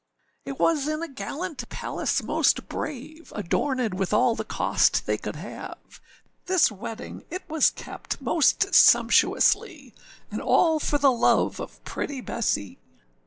It was in a gallant palace most brave, Adornèd with all the cost they could have, This wedding it was kept most sumptuously, And all for the love of pretty Bessee.